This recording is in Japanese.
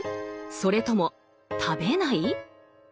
それとも食べない？